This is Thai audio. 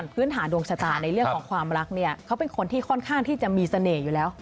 พื้นฐานดวงชะตาในเรื่องของความรักเนี่ยเขาเป็นคนที่ค่อนข้างที่จะมีเสน่ห์อยู่แล้ว